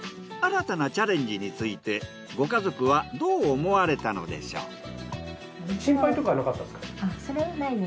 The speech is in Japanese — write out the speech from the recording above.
新たなチャレンジについてご家族はどう思われたのでしょう？